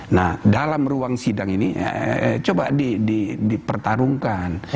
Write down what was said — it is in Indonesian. nah dalam ruang sidang ini coba dipertarungkan